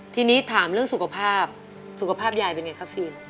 ทีนี้ถามเรื่องสุขภาพสุขภาพยายเป็นไงครับฟิล์ม